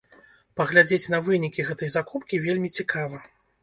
Паглядзець на вынікі гэтай закупкі вельмі цікава.